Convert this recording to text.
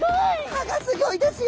歯がすギョいですよ！